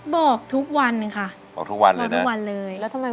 สูบบุหรี่มันไม่ดีขอให้เลิกอะไรอย่างนี้มีไหม